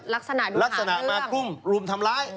ลักษณะดูขาดเรื่องลักษณะมากลุ้มลุมทำร้าย